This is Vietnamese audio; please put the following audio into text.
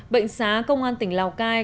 bệnh xá công an tỉnh lào cai